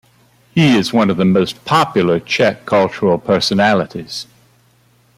He is one of the most popular Czech cultural personalities.